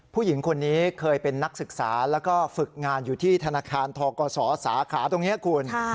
ผู้หญิงคนนี้เคยเป็นนักศึกษาแล้วก็ฝึกงานอยู่ที่ธนาคารทกศสาขาตรงนี้คุณ